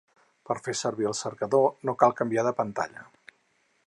Per fer servir el cercador, no cal canviar de pantalla.